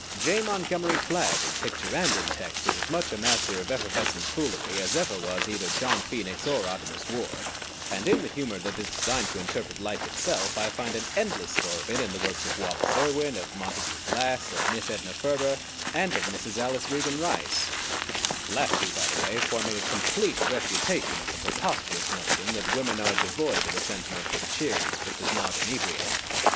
J. Montgomery Flagg in picture and in text is as much a master of effervescent foolery as ever was either John Phoenix or Artemas Ward; and in the humor that is designed to interpret life itself I find an endless store of it in the works of Wallace Irwin, of Montague Glass, of Miss Edna Ferber, and of Mrs. Alice Regan Rice; the last two, by the way, forming a complete refutation of the preposterous notion that women are devoid of the sentiment that cheers but does not inebriate.